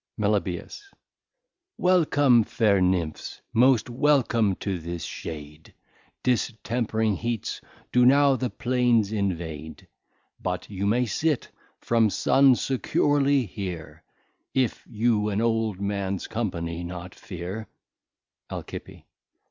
Melibæus. Welcome fair Nymphs, most welcome to this shade, Distemp'ring Heats do now the Plains invade: But you may sit, from Sun securely here, If you an old mans company not fear. _Alcippe.